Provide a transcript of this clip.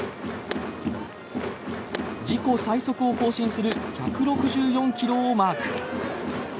自己最速を更新する１６４ｋｍをマーク。